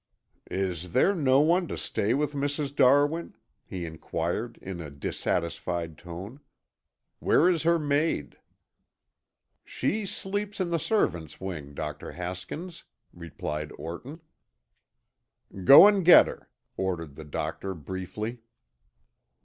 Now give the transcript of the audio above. "Is there no one to stay with Mrs. Darwin?" he inquired in a dissatisfied tone. "Where is her maid?" "She sleeps in the servants' wing, Dr. Haskins," replied Orton. "Go and get her," ordered the doctor briefly.